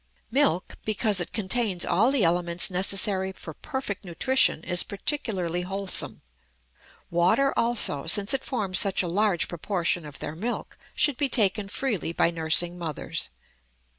Milk, because it contains all the elements necessary for perfect nutrition, is particularly wholesome. Water also, since it forms such a large proportion of their milk, should be taken freely by nursing mothers.